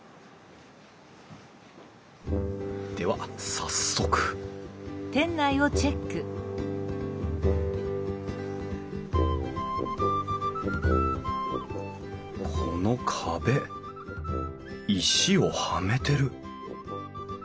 では早速この壁石をはめてる。